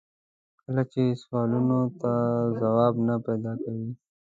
کله چې سوالونو ته ځواب نه پیدا کوي.